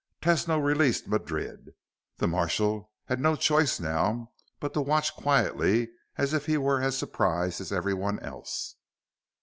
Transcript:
Tesno released Madrid. The marshal had no choice now but to watch quietly as if he were as surprised as everyone else.